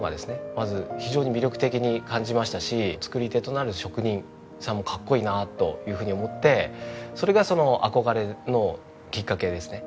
まず非常に魅力的に感じましたし作り手となる職人さんもかっこいいなというふうに思ってそれがその憧れのきっかけですね。